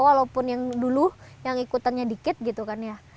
walaupun yang dulu yang ikutannya dikit gitu kan ya